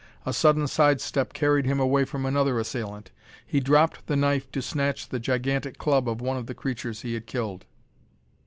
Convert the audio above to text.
A sudden side step carried him away from another assailant. He dropped the knife to snatch the gigantic club of one of the creatures he had killed.